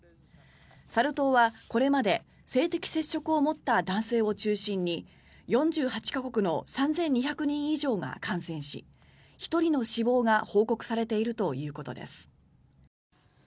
サル痘は、これまで性的接触を持った男性を中心に４８か国の３２００人以上が感染し１人の死亡が報告されているということです。